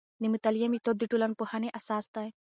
د مطالعې میتود د ټولنپوهنې اساس دی.